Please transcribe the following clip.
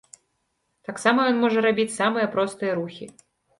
Таксама ён можа рабіць самыя простыя рухі.